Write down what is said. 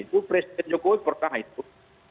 itu presiden jokowi pernah itu